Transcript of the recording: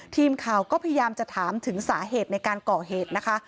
ทีมข่าวก็พยายามจะถามถึงสาเหตุในการก่อเหตุนะคะ